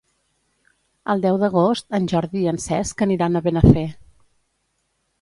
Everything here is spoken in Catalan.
El deu d'agost en Jordi i en Cesc aniran a Benafer.